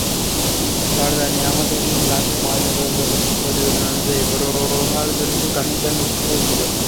সরদার নিয়ামত হোসেনের লাশের ময়নাতদন্ত প্রতিবেদন অনুযায়ী প্রহারজনিত কারণেই তাঁর মৃত্যু হয়েছিল।